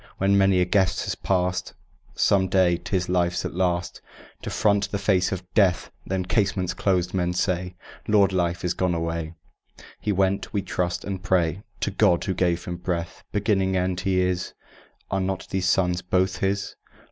When many a guest has passed, Some day 'tis Life's at last To front the face of Death. Then, casements closed, men say: "Lord Life is gone away; He went, we trust and pray, To God, who gave him breath." Beginning, End, He is: Are not these sons both His?